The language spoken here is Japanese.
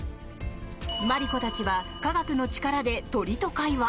マリコたちは科学の力で鳥と会話！